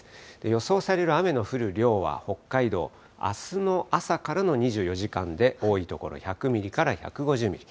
予想される雨の降る量は、北海道、あすの朝からの２４時間で、多い所１００ミリから１５０ミリ。